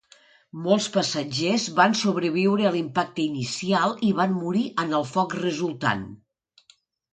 Molts passatgers van sobreviure a l'impacte inicial i van morir en el foc resultant.